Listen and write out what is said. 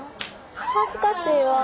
恥ずかしいわ。